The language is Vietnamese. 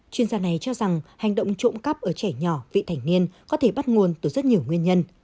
chuyên gia này cho rằng hành động trộm cắp ở trẻ nhỏ vị thành niên có thể bắt nguồn từ rất nhiều nguyên nhân